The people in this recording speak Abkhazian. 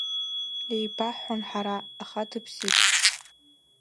Еибаҳҳәон ҳара, аха дыԥсит.